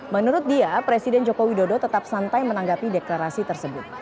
menurut dia presiden joko widodo tetap santai menanggapi deklarasi tersebut